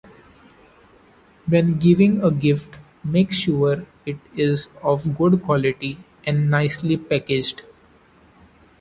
When giving a gift, make sure it is of good quality and nicely packaged.